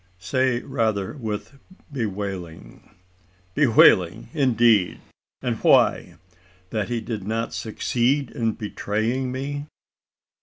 "Say rather with bewailing." "Bewailing? Indeed! And why? That he did not succeed in betraying me?"